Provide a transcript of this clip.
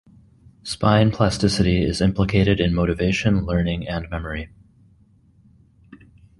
Spine plasticity is implicated in motivation, learning, and memory.